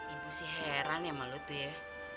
ibu sih heran ya sama lo tuh ya